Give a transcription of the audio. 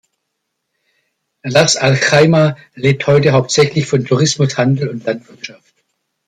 Ra’s al-Chaima lebt heute hauptsächlich von Tourismus, Handel und Landwirtschaft.